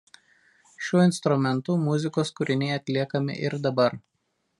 Šiuo instrumentu muzikos kūriniai atliekami ir dabar.